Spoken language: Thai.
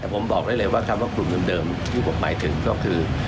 ผมบอกได้เลยว่ากลุ่มเดิมที่บอกหมายถึงก็คือ